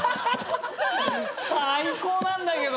最高なんだけど！